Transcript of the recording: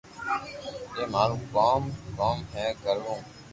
مي مارو ڪوم ڪوم ھي ڪروُ